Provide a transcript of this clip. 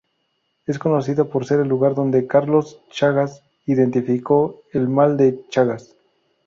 Es conocido por ser el lugar donde Carlos Chagas identificó el Mal de Chagas.